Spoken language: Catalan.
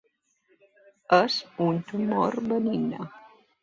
És un tumor benigne.